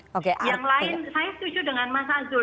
yang lain saya setuju dengan mas azul